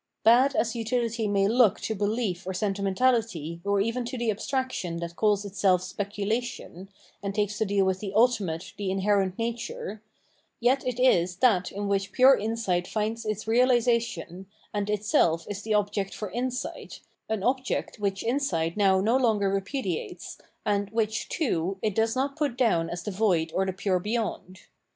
Bad as utihty may look to belief or sentimentality or even to the abstraction that calls itself speculation, and takes to do with the ultimate, the inherent nature; yet it is that in which pure insight finds its realisation, and itself is the object for insight, an object which insight now no longer repudiates, and which, too, it does not put down as the void or the pure beyond.